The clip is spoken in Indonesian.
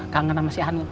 kangen sama si anu